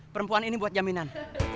perempuan ini buat jaminan